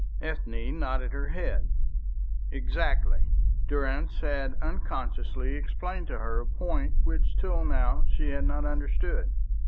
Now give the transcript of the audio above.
Ethne nodded her head. "Exactly." Durrance had unconsciously explained to her a point which till now she had not understood.